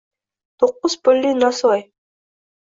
Toʻqqiz pulli nosvoy